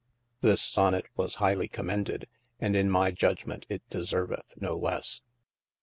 THis sonet was highly commended, and in my judgement it deserveth no lesse.